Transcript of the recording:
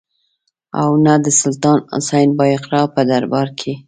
او نه د سلطان حسین بایقرا په دربار کې.